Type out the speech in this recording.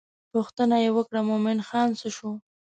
پوښتنه یې وکړه مومن خان څه شو.